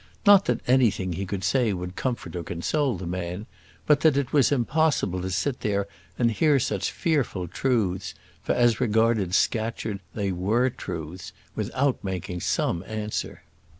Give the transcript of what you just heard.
Not that anything he could say would comfort or console the man; but that it was impossible to sit there and hear such fearful truths for as regarded Scatcherd they were truths without making some answer.